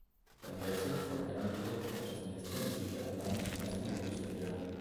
Beim Wechsel von einem Produkt auf das Nächste müssen die Anlagen zumeist umgerüstet werden.